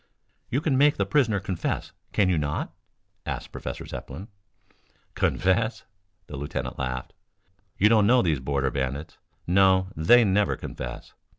"You can make the prisoner confess, can you not?" asked Professor Zepplin. "Confess?" the lieutenant laughed. "You don't know these Border Bandits. No, they never confess.